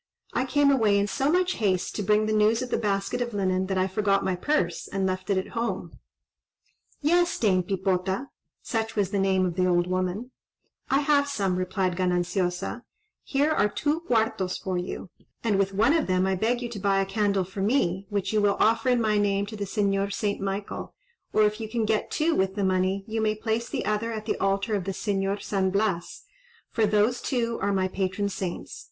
I came away in so much haste, to bring the news of the basket of linen, that I forgot my purse, and left it at home." "Yes, Dame Pipota,"—such was the name of the old woman,—"I have some," replied Gananciosa; "here are two cuartos for you, and with one of them I beg you to buy a candle for me, which you will offer in my name to the Señor St. Michael, or if you can get two with the money, you may place the other at the altar of the Señor St. Blas, for those two are my patron saints.